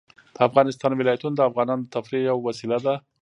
د افغانستان ولايتونه د افغانانو د تفریح یوه وسیله ده.